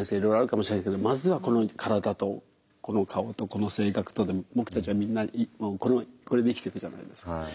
いろいろあるかもしれないけどまずはこの体とこの顔とこの性格とで僕たちはみんなこれで生きていくじゃないですか。